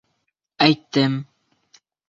Әйттем!